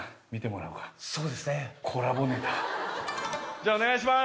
じゃあお願いします。